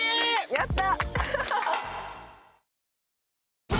やった！